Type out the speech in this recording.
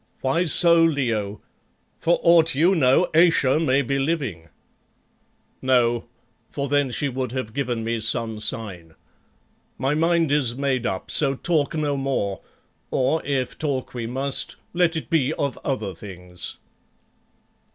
"Why so, Leo? For aught you know Ayesha may be living." "No; for then she would have given me some sign. My mind is made up, so talk no more, or, if talk we must, let it be of other things."